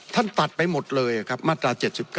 ตัดไปหมดเลยครับมาตรา๗๙